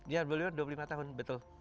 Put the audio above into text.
ya boleh boleh dua puluh lima tahun betul